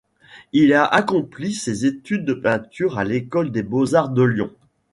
Il a accompli ses études de peinture à l'école des beaux-arts de Lyon.